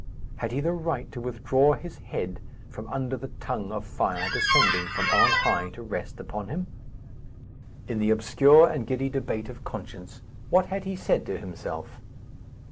Had he the right to withdraw his head from under the tongue of fire descending from on high to rest upon him? In the obscure and giddy debate of conscience, what had he said to himself?